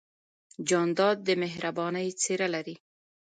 جانداد د مهربانۍ څېرہ لري.